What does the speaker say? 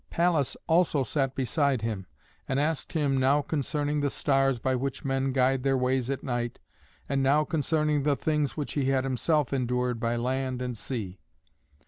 Pallas also sat beside him, and asked him, now concerning the stars by which men guide their ways at night, and now concerning the things which he had himself endured by land and sea.